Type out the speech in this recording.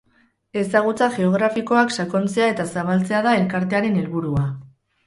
Ezagutza geografikoak sakontzea eta zabaltzea da elkartearen helburua.